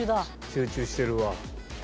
集中してるわ。